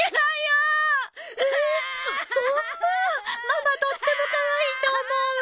ママとってもかわいいと思う。